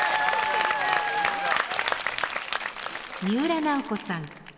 三浦奈保子さん